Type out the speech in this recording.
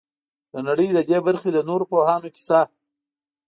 د نړۍ د دې برخې د نورو پوهانو کیسه.